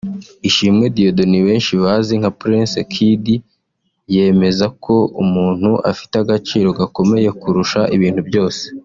Ishimwe Dieudonne benshi bazi nka Prince Kid yemeza ko umuntu afite agaciro gakomeye kurusha ibintu byose